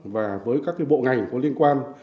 và với các bộ ngành có liên quan